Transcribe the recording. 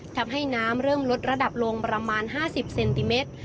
ทำให้น้ำเริ่มลดระดับลงประมาณ๕๐เซนติเมตร